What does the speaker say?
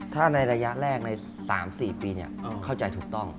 ถ้าในระยะแรกในสามสี่ปีเนี้ยเข้าใจถูกต้อง